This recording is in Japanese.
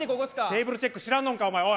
テーブルチェックとか知らんのか、お前？